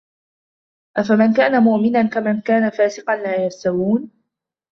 أفمن كان مؤمنا كمن كان فاسقا لا يستوون